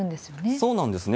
そうなんですね。